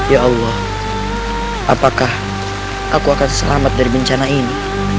ya allah apakah aku akan selamat dari bencana ini